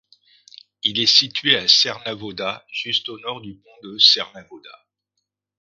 Il est situé à Cernavodă, juste au nord du pont de Cernavodă.